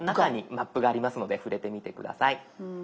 「マップ」がありますので触れてみて下さい。